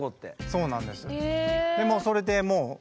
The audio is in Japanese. そうなんです。